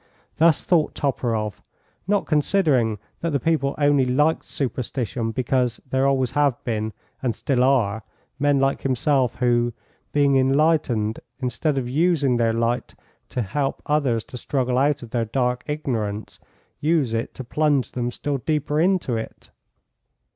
Thus thought Toporoff, not considering that the people only liked superstition because there always have been, and still are, men like himself who, being enlightened, instead of using their light to help others to struggle out of their dark ignorance, use it to plunge them still deeper into it.